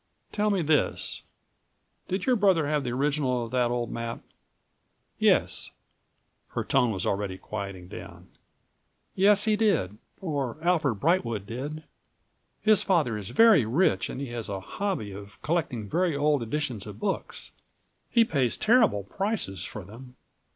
"Tell me this: Did your brother have the original of that old map?" "Yes," her tone was already quieting down,166 "yes, he did, or Alfred Brightwood did. His father is very rich and he has a hobby of collecting very old editions of books. He pays terrible prices for them.